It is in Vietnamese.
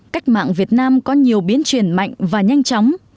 cách mạng việt nam có nhiều biến chuyển mạnh và nhanh chóng